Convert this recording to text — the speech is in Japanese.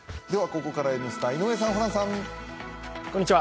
ここから「Ｎスタ」、井上さん、ホランさん。